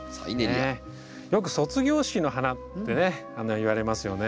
よく卒業式の花ってねいわれますよね。